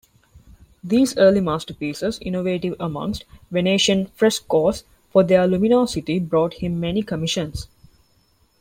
These early masterpieces, innovative amongst Venetian frescoes for their luminosity, brought him many commissions.